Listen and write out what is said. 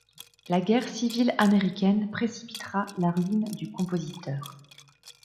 La guerre civile américaine précipitera la ruine du compositeur.